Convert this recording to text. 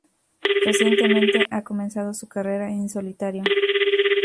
Recientemente ha comenzado su carrera en solitario.